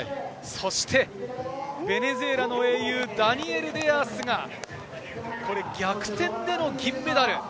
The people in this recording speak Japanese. そしてベネズエラの英雄、ダニエル・デアースが逆転での銀メダル。